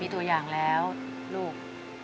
ตัวอย่างแล้วลูก